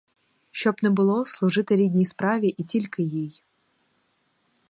Щоб не було — служити рідній справі і тільки їй.